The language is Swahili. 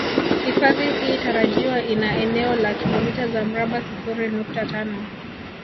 Hifadhi hii tarajiwa ina eneo la kilomita za mraba sifuri nukta tano